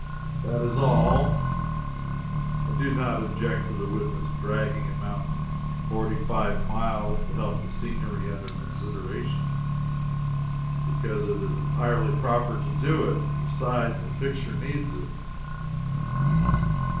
That is all. I do not object to the witness dragging a mountain forty five miles to help the scenery under consideration, because it is entirely proper to do it, and besides, the picture needs it.